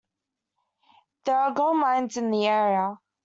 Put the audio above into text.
There are gold mines in the area.